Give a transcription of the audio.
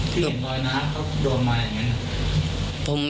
พี่เห็นรอยหน้าเขาโดนมาอย่างงั้น